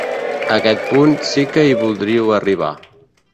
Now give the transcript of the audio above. A aquest punt sí que hi voldríeu arribar.